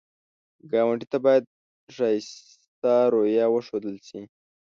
ګاونډي ته باید ښایسته رویه وښودل شي